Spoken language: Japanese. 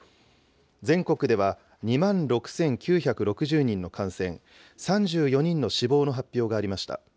全国では２万６９６０人の感染、３４人の死亡の発表がありました。